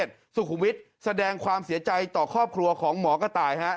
สุขุมวิทย์แสดงความเสียใจต่อครอบครัวของหมอกระต่าย